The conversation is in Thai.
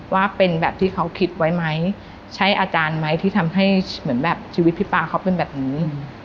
ว่าเป็นแบบที่เขาคิดไว้ไหมใช้อาจารย์ไหมที่ทำให้เหมือนแบบชีวิตพี่ป๊าเขาเป็นแบบนี้